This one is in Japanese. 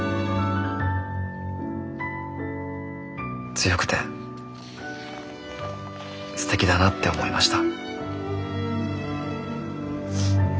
「強くて素敵だなって思いました」。